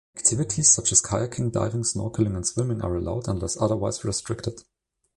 Activities such as kayaking, diving, snorkeling and swimming are allowed unless otherwise restricted.